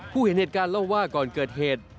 เห็นเหตุการณ์เล่าว่าก่อนเกิดเหตุ